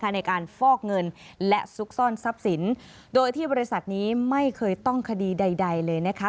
ในการฟอกเงินและซุกซ่อนทรัพย์สินโดยที่บริษัทนี้ไม่เคยต้องคดีใดเลยนะคะ